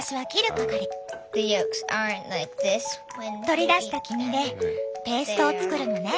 取り出した黄身でペーストを作るのね。